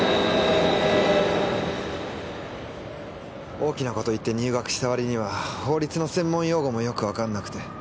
大きなこと言って入学したわりには法律の専門用語もよく分かんなくて。